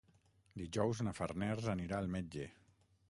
Dijous na Farners anirà al metge.